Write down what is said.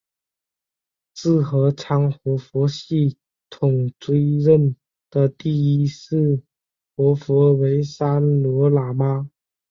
智合仓活佛系统追认的第一世活佛为三罗喇嘛。